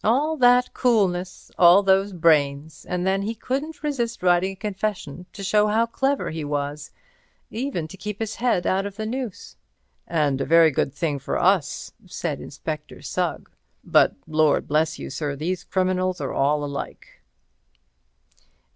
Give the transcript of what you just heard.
"All that coolness, all those brains—and then he couldn't resist writing a confession to show how clever he was, even to keep his head out of the noose." "And a very good thing for us," said Inspector Sugg, "but Lord bless you, sir, these criminals are all alike."